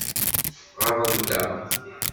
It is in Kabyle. Ɣaḍent-aɣ.